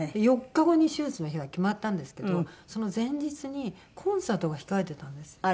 ４日後に手術の日が決まったんですけどその前日にコンサートが控えてたんです。